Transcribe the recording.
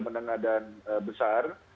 menengah dan besar